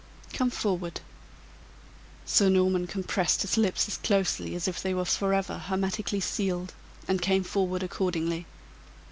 Come forward!" Sir Norman compressed his lips as closely as if they were forever hermetically sealed, and came forward accordingly.